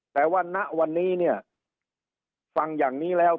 แต่ว่าณวันนี้เนี่ยฟังอย่างนี้แล้ว